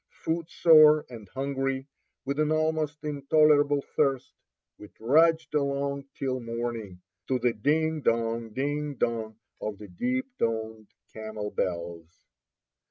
Footsore and hungry, with an almost intolerable thirst, we trudged along till morning, to the ding dong, ding dong of the deep toned camel bells.